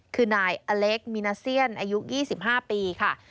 คือนายอเล็กมินาเซียนอายุ๒๕ปีค่ะ